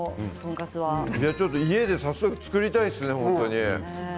家で早速作りたいですね。